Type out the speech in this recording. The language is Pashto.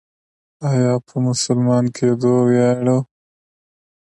آیا په مسلمان کیدو ویاړو؟